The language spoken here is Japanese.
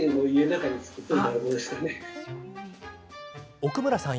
奥村さん